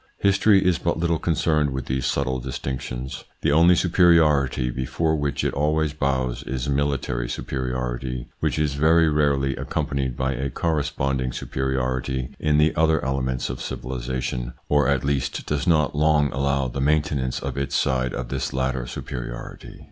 History is but little concerned with these subtle dis tinctions. The only superiority before which it always bows is military superiority, which is very rarely accompanied by a corresponding superiority in the other elements of civilisation, or at least does not long allow the maintenance at its side of this latter superiority.